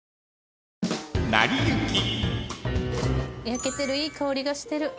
焼けてるいい香りがしてる。